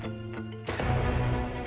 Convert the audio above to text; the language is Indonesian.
tapi sebentar lagi